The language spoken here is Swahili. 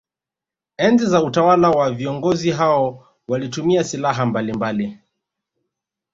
Enzi za utawala wa viongozi hao walitumia silaha mbalimbali